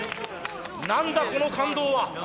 何だこの感動は。